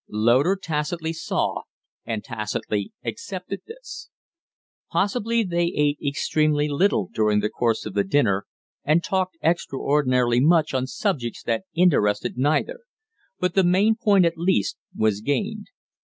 Loder tacitly saw and tacitly accepted this. Possibly they ate extremely little during the course of the dinner, and talked extraordinarily much on subjects that interested neither; but the main point at least was gained.